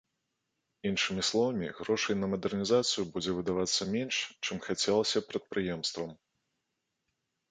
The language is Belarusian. Іншымі словамі, грошай на мадэрнізацыю будзе выдавацца менш, чым хацелася прадпрыемствам.